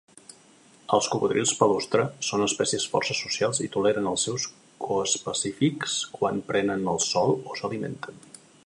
Els cocodrils palustre són espècies força socials i toleren els seus coespecífics quan prenen el sol o s'alimenten.